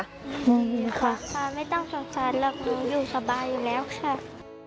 อยู่สบายอยู่แล้วค่ะ